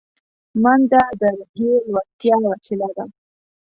منډه د روحیې لوړتیا وسیله ده